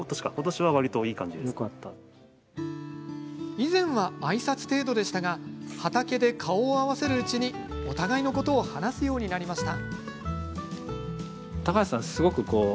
以前は、あいさつ程度でしたが畑で顔を合わせるうちにお互いのことを話すようになりました。